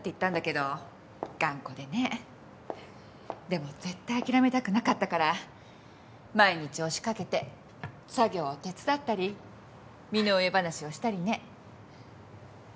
でも絶対諦めたくなかったから毎日押し掛けて作業を手伝ったり身の上話をしたりね。